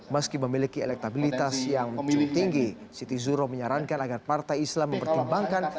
meski memiliki elektabilitas yang cukup tinggi siti zuro menyarankan agar partai islam mempertimbangkan